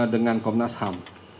dengan komnas ham